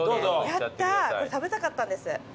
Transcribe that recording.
やった食べたかったんです。